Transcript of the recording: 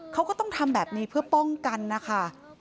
เขาก็ต้องทำแบบนี้เพื่อป้องกันนะคะ